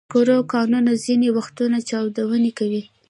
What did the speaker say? د سکرو کانونه ځینې وختونه چاودنې کوي.